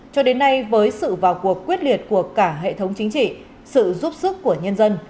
cho đến nay với sự vào cuộc quyết liệt của cả hệ thống chính trị sự giúp sức của nhân dân